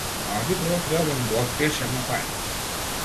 Ама ти прво треба да ми откриеш една тајна!